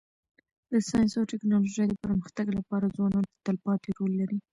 د ساینس او ټکنالوژۍ د پرمختګ لپاره ځوانان تلپاتی رول لري.